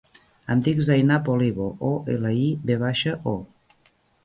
Em dic Zainab Olivo: o, ela, i, ve baixa, o.